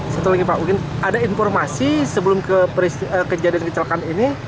satu lagi pak mungkin ada informasi sebelum kejadian kecelakaan ini